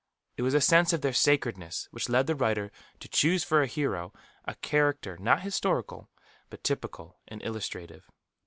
It was a sense of their sacredness which led the writer to choose for hero a character not historical, but typical and illustrative.